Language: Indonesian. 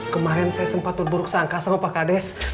kemarin saya sempat berburuk sangka sama pak kades